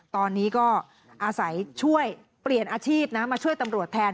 ตอนนี้ก็อาศัยช่วยเปลี่ยนอาชีพนะมาช่วยตำรวจแทน